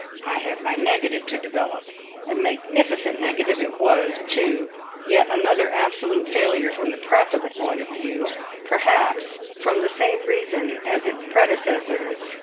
I had my negative to develop. A magnificent negative it was, too, yet another absolute failure from the practical point of view, perhaps from the same reason as its predecessors.